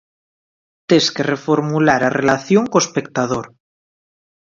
Tes que reformular a relación co espectador.